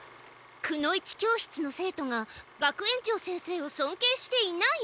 くの一教室の生徒が学園長先生をそんけいしていない？